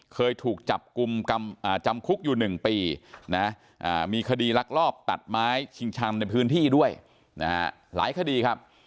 เคยถูกจับกลุ่มจำคุกอยู่๑ปีนะมีคดีลักลอบตัดไม้ชิงชำในพื้นที่ด้วยนะฮะหลายคดีครับ